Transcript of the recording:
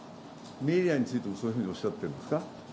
メディアについても、そういうふうにおっしゃってるんですか？